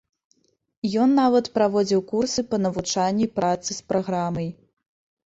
Ён нават праводзіў курсы па навучанні працы з праграмай.